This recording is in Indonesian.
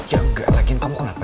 ya enggak lagiin kamu kenapa